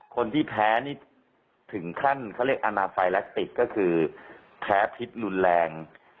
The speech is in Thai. คนที่แพ้นี่ถึงขั้นเขาเรียกอนาไฟแลคติกก็คือแพ้พิษรุนแรง